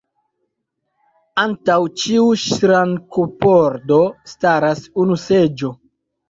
Antaŭ ĉiu ŝrankpordo staras unu seĝo.